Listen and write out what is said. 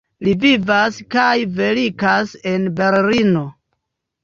Li vivas kaj verkas en Berlino.